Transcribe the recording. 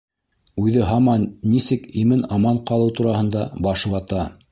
Үҙе һаман нисек имен-аман ҡалыу тураһында баш вата.